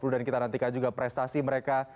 dan kita nantikan juga prestasi mereka